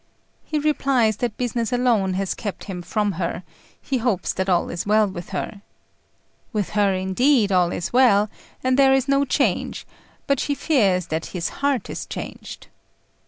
He replies that business alone has kept him from her; he hopes that all is well with her. With her, indeed, all is well, and there is no change; but she fears that his heart is changed.